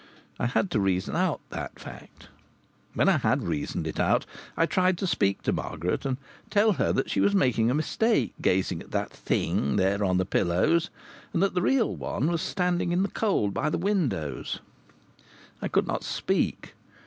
I had to reason out that fact. When I had reasoned it out I tried to speak to Margaret and tell her that she was making a mistake, gazing at that thing there on the pillows, and that the real one was standing in the cold by the windows. I could not speak.